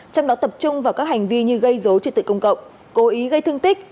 trong đó tập trung vào các hành vi như gây dối trật tự công cộng cố ý gây thương tích